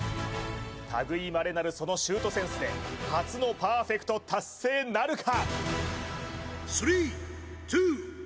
類いまれなるそのシュートセンスで初のパーフェクト達成なるか？